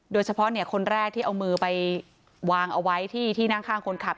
โดยเฉพาะคนแรกที่เอามือไปวางเอาไว้ที่นั่งข้างคนขับ